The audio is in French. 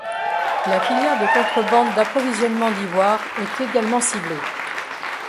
La filière de contrebande d'approvisionnement d'ivoire est également ciblée.